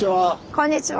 こんにちは。